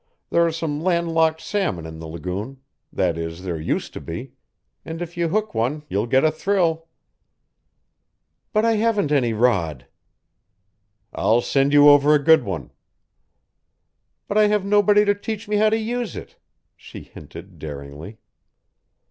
There are some land locked salmon in the lagoon that is, there used to be; and if you hook one you'll get a thrill." "But I haven't any rod." "I'll send you over a good one." "But I have nobody to teach me how to use it," she hinted daringly.